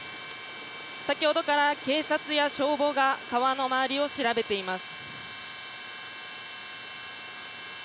先ほどから警察や消防が川の周りを調べています。